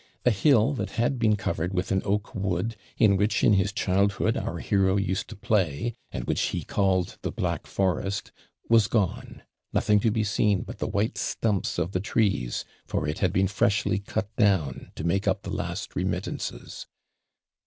A hill that had been covered with an oak wood, in which, in his childhood, our hero used to play, and which he called the black forest, was gone; nothing to be seen but the white stumps of the trees, for it had been freshly cut down, to make up the last remittances.